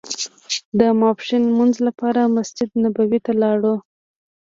د ماسپښین لمانځه لپاره مسجد نبوي ته لاړو.